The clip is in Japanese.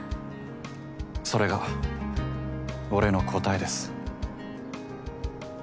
それが俺の答えです。